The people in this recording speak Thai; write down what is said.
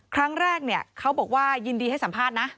เขาบอกว่ายินดีให้สัมภาษณ์นะ